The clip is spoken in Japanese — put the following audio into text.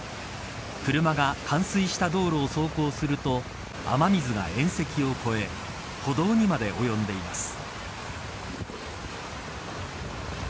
車が冠水した道路を走行すると雨水が縁石を越え歩道にまで及んでいます。